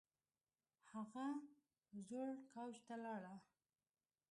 هغه زوړ کوچ ته لاړه